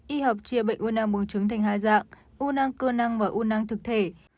y học chia bệnh u nang buồng trứng thành hai dạng u nang cơ nang và u nang thực thể